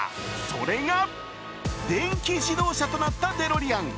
それが、電気自動車となったデロリアン。